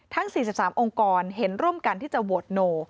๔๓องค์กรเห็นร่วมกันที่จะโหวตโน